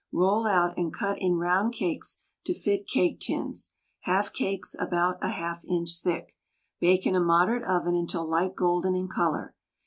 Roll out and cut in round cakes to fit cake tins. Have cakes about a half inch thick. Bake in a moderate oven until light golden in color.